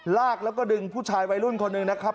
ลากแล้วก็ดึงผู้ชายวัยรุ่นคนหนึ่งนะครับ